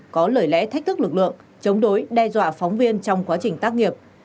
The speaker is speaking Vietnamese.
có lời lẽ thách thức lực lượng chống đối đe dọa phóng viên trong quá trình tác nghiệp